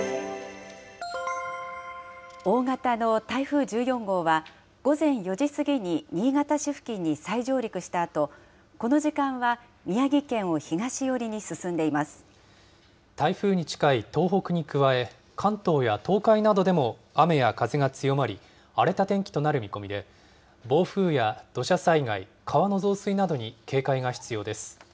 大型の台風１４号は、午前４時過ぎに、新潟市付近に再上陸したあと、この時間は宮城県を東寄りに進んで台風に近い東北に加え、関東や東海などでも雨や風が強まり、荒れた天気となる見込みで、暴風や土砂災害、川の増水などに警戒が必要です。